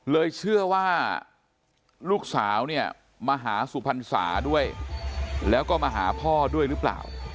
เชื่อว่าลูกสาวเนี่ยมาหาสุพรรษาด้วยแล้วก็มาหาพ่อด้วยหรือเปล่า